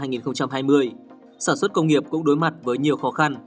năm hai nghìn hai mươi sản xuất công nghiệp cũng đối mặt với nhiều khó khăn